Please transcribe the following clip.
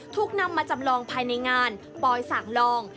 ถูกนำมาจำลองภายในงานปลอยสางลอง